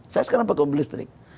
saya sekarang pakai mobil listrik